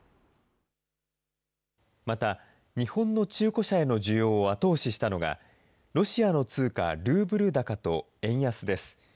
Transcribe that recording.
また日本の中古車への需要を後押ししたのが、ロシアの通貨ルーブル高と円安です。